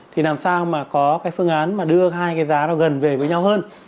thì làm sao mà có cái phương án mà đưa hai cái giá nó gần về với nhau hơn